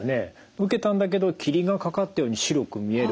受けたんだけど霧がかかったように白く見える。